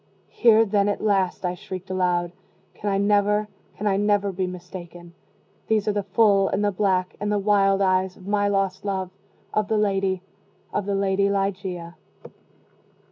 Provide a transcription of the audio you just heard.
"Here then, at least," I shrieked aloud, "can I never can I never be mistaken these are the full, and the black, and the wild eyes of my lost love of the Lady of the LADY LIGEIA."